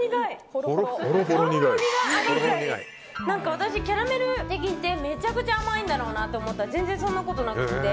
私、キャラメルって聞いてめちゃくちゃ甘いんだろうなと思ったら全然そんなことなくて。